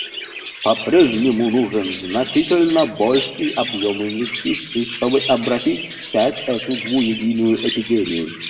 По-прежнему нужен значительно больший объем инвестиций, чтобы обратить вспять эту двуединую эпидемию.